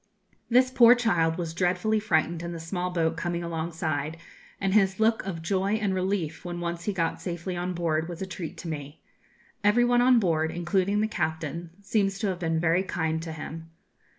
This poor child was dreadfully frightened in the small boat coming alongside, and his look of joy and relief, when once he got safely on board, was a treat to me. Every one on board, including the captain, seems to have been very kind to him.